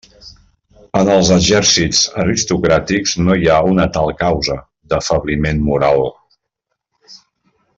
En els exèrcits aristocràtics no hi ha una tal causa d'afebliment moral.